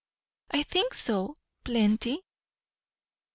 "I think so. Plenty."